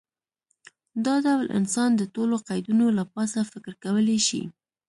دا ډول انسان د ټولو قیدونو له پاسه فکر کولی شي.